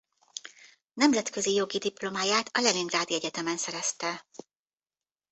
Nemzetközi jogi diplomáját a leningrádi egyetemen szerezte.